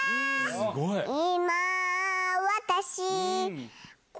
すごい！